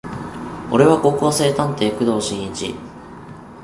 俺は高校生探偵工藤新一